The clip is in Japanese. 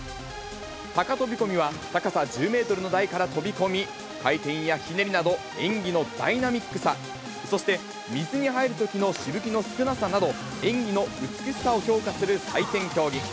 高飛び込みは高さ１０メートルの台から飛び込み、回転やひねりなど、演技のダイナミックさ、そして、水に入るときのしぶきの少なさなど、演技の美しさを評価する採点競技。